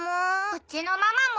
うちのママも。